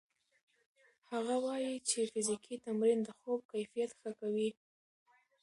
هغه وايي چې فزیکي تمرین د خوب کیفیت ښه کوي.